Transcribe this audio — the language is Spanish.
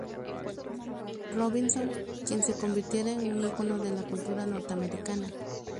Robinson, quien se convirtiera en un ícono de la cultura norteamericana.